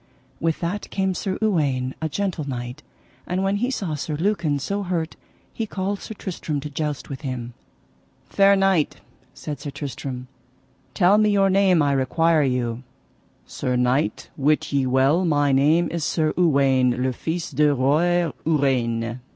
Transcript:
With that came Sir Uwaine, a gentle knight, and when he saw Sir Lucan so hurt he called Sir Tristram to joust with him. Fair knight, said Sir Tristram, tell me your name I require you. Sir knight, wit ye well my name is Sir Uwaine le Fise de Roy Ureine.